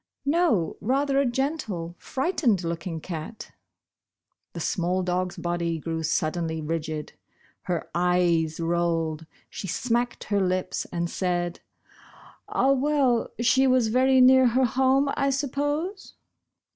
"No, rather a gentle, frightened looking cat." The small dog's body grew suddenly rigid. Her eyes rolled. She smacked her lips and said : "Ah, well, she was very near her home, I suppose